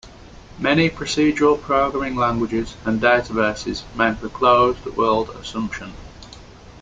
Many procedural programming languages and databases make the closed-world assumption.